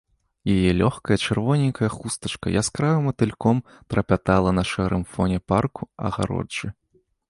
Яе лёгкая чырвоненькая хустачка яскравым матыльком трапятала на шэрым фоне парку, агароджы.